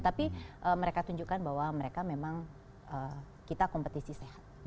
tapi mereka tunjukkan bahwa mereka memang kita kompetisi sehat